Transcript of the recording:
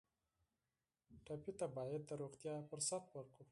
ټپي ته باید د روغتیا فرصت ورکړو.